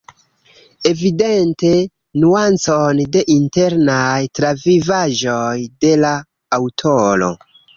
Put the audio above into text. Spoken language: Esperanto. Evidente, nuancon de internaj travivaĵoj de la aŭtoro.